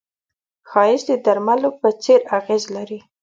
ښایست د درملو په څېر اغېز لري